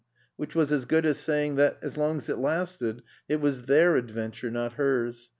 which was as good as saying that, as long as it lasted, it was their adventure, not hers.